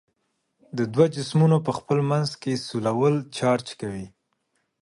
د دوو جسمونو په خپل منځ کې سولول چارج کوي.